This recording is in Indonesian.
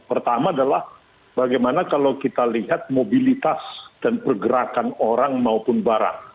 pertama adalah bagaimana kalau kita lihat mobilitas dan pergerakan orang maupun barang